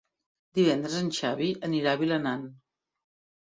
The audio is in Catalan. Divendres en Xavi anirà a Vilanant.